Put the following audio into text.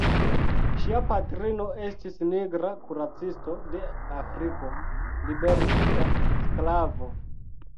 Ŝia patrino estis nigra kuracisto de Afriko, liberigita sklavo.